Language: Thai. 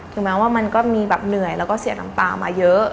แม้ว่ามันก็มีแบบเหนื่อยแล้วก็เสียน้ำตามาเยอะ